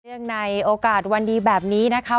เรื่องในโอกาสวันดีแบบนี้นะคะ